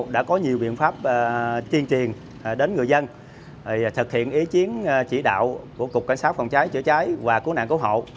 đã có nhiều biện pháp tuyên truyền đến người dân thực hiện ý chiến chỉ đạo của cục cảnh sát phòng cháy chữa cháy và cứu nạn của họ